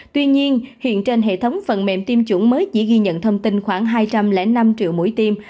tuy nhiên hiện trên hệ thống phần mềm tiêm chủng mới chỉ ghi nhận thông tin khoảng hai trăm linh năm triệu mũi tiêm